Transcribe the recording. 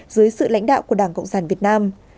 dưới sự lãnh đạo của đảng cộng sản việt nam